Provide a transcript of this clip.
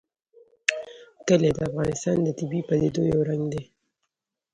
کلي د افغانستان د طبیعي پدیدو یو رنګ دی.